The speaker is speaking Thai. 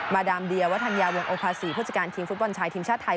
ดามเดียวัฒนยาวงโอภาษีผู้จัดการทีมฟุตบอลชายทีมชาติไทย